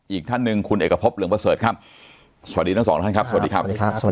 อีกท่านหนึ่งคุณเอกพบเหลืองประเสริฐครับสวัสดีทั้งสองท่านครับสวัสดีครับสวัสดีครับสวัสดี